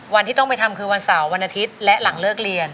วันที่ต้องไปทำคือวันเสาร์วันอาทิตย์และหลังเลิกเรียน